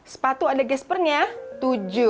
sepatu ada gespernya tujuh